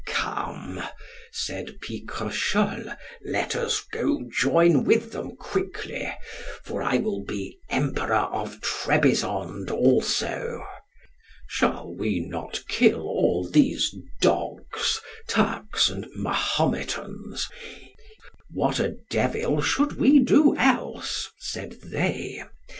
Come, said Picrochole, let us go join with them quickly, for I will be Emperor of Trebizond also. Shall we not kill all these dogs, Turks and Mahometans? What a devil should we do else? said they.